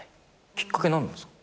きっかけ何なんすか？